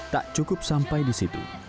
tak cukup sampai di situ